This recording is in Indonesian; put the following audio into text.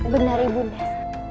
benar ibu nura